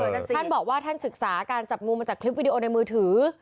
นั่นสิท่านบอกว่าท่านศึกษาการจับงูมาจากคลิปวิดีโอในมือถือ